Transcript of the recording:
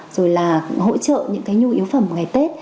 rồi là hỗ trợ những cái nhu yếu phẩm của ngày tết